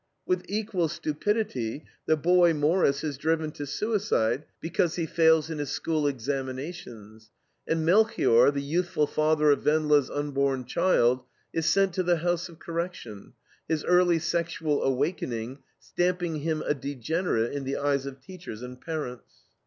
With equal stupidity the boy Morris is driven to suicide because he fails in his school examinations. And Melchior, the youthful father of Wendla's unborn child, is sent to the House of Correction, his early sexual awakening stamping him a degenerate in the eyes of teachers and parents.